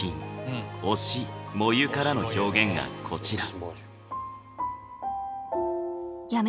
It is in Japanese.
「推し、燃ゆ」からの表現がこちら。